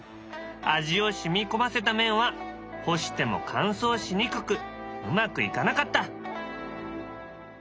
味を染み込ませた麺は干しても乾燥しにくくうまくいかなかった。